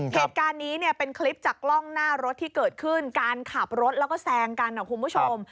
เหตุการณ์นี้เนี่ยเป็นคลิปจากกล้องหน้ารถที่เกิดขึ้นการขับรถแล้วก็แซงกันนะคุณผู้ชม